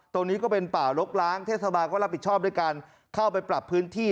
ตรงนี้ก็เป็นป่าลกล้างเทศบาลก็รับผิดชอบด้วยการเข้าไปปรับพื้นที่